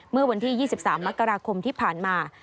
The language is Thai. เมื่อวันที่๒๓มกราคมที่ผ่านมา